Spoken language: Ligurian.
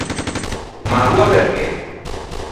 Ma aloa perché?